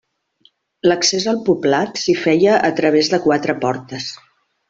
L'accés al poblat s'hi feia a través de quatre portes.